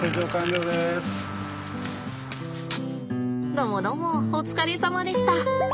どもどもお疲れさまでした。